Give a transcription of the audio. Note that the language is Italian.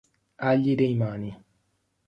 Agli Dei Mani.